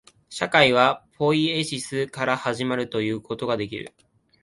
社会はポイエシスから始まるということができる。